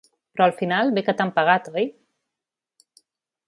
Però al final bé que t'han pagat, oi?